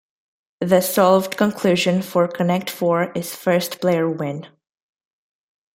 The solved conclusion for Connect Four is first player win.